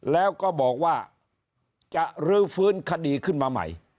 แล้วก็บอกว่าจะรื้อฟื้นคดีขึ้นมาใหม่